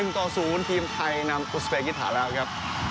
ต่อ๐ทีมไทยนำอุสเปกิถาแล้วครับ